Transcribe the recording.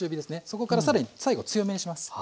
そこから更に最後強めにします。